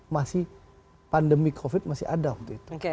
masih pandemi covid masih ada waktu itu